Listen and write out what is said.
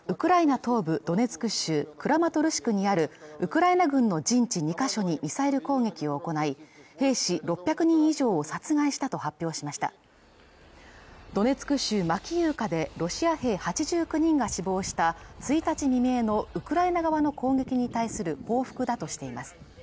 東部ドネツク州クラマトルシクにあるウクライナ軍の陣地２か所にミサイル攻撃を行い兵士６００人以上を殺害したと発表しましたドネツク州マキーウカでロシア兵８９人が死亡した１日未明のウクライナ側の攻撃に対する報復だとしています